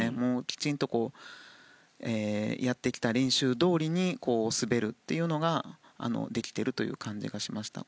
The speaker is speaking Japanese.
きちんとやってきた練習どおりに滑るというのができている感じがしました。